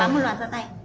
bán một loạt ra tay